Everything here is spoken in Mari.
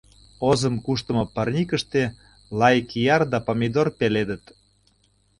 Озым куштымо парникыште лай кияр да помидор пеледыт.